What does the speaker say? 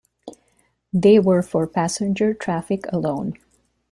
They were for passenger traffic alone.